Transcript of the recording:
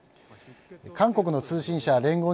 韓国の通信社、聯合